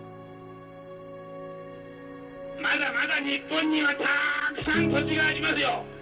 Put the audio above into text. まだまだ日本にはたくさん土地がありますよ。